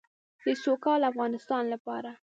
د سوکاله افغانستان لپاره.